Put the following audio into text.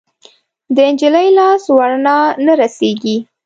د نجلۍ لاس ورڼا نه رسیږي